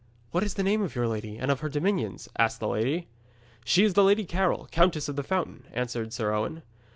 'What is the name of your lady and of her dominions?' asked the lady. 'She is the Lady Carol, Countess of the Fountain,' answered Owen.